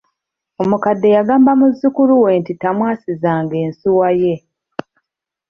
Omukadde yagamba muzzukulu we nti tamwasizanga ensuwa ye.